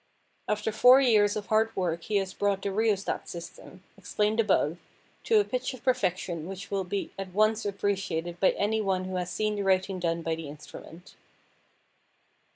After four years of hard work he has brought the rheostat system, explained above, to a pitch of perfection which will be at once appreciated by any one who has seen the writing done by the instrument.